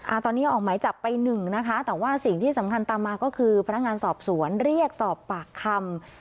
ตอนนี้ออกหมายจับไปหนึ่งนะคะแต่ว่าสิ่งที่สำคัญตามมาก็คือพนักงานสอบสวนเรียกสอบปากคำ